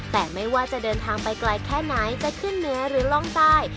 แต่ไม่ว่าจะเดินทางไปไกลแค่ไหนจะขึ้นเหนือหรือล่องใต้